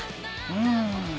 うん。